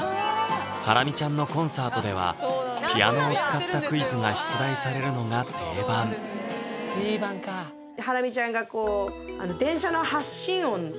ハラミちゃんのコンサートではピアノを使ったクイズが出題されるのが定番そういうのがあったんだよね